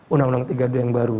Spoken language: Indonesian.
uu tiga d yang baru